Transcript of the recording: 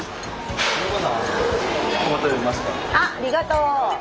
あっありがとう！